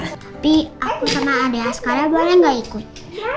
tapi aku sama adea sekarang boleh gak ikut